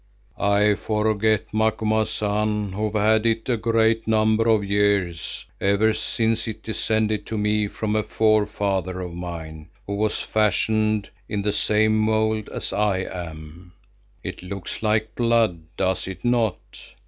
"I forget, Macumazahn, who have had it a great number of years, ever since it descended to me from a forefather of mine, who was fashioned in the same mould as I am. It looks like blood, does it not?